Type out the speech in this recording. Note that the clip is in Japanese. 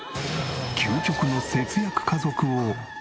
究極の節約家族を。